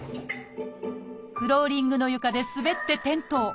フローリングの床で滑って転倒。